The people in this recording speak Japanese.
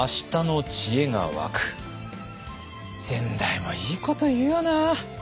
先代もいいこと言うよな。